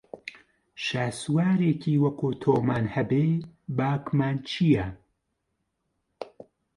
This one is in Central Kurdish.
شاسوارێکی وەکوو تۆمان هەبێ باکمان چییە